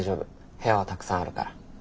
部屋はたくさんあるから。